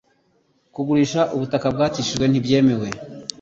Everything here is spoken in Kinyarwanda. kugurisha ubutaka bwatishijwe ntibyemewe